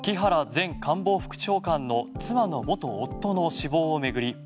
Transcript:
前官房副長官の妻の元夫の死亡を巡り